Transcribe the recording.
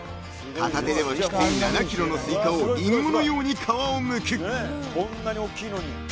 ［片手ではきつい７ｋｇのスイカをリンゴのように皮をむく］